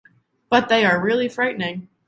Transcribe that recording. But they are really frightening.